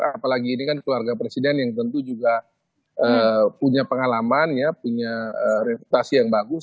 apalagi ini kan keluarga presiden yang tentu juga punya pengalaman ya punya reputasi yang bagus